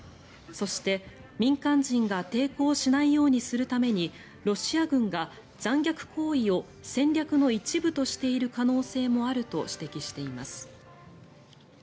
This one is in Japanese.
そして、民間人が抵抗しないようにするためにロシア軍が残虐行為を戦略の一部としている可能性もあると指摘しています。